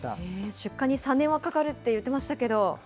出荷に３年はかかるって言ってましたけど。